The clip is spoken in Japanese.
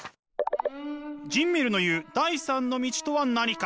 ジンメルの言う第３の道とは何か。